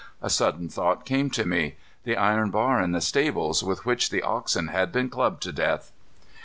A sudden thought came to me. The iron bar in the stables, with which the oxen had been clubbed to death!